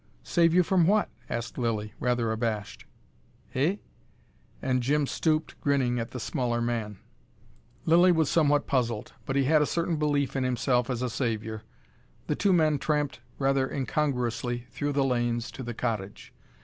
"Save you from what?" asked Lilly, rather abashed. "Eh ?" and Jim stooped, grinning at the smaller man. Lilly was somewhat puzzled, but he had a certain belief in himself as a saviour. The two men tramped rather incongruously through the lanes to the cottage.